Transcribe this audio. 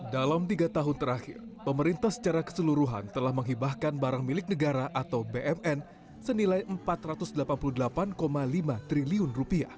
dalam tiga tahun terakhir pemerintah secara keseluruhan telah menghibahkan barang milik negara atau bmn senilai rp empat ratus delapan puluh delapan lima triliun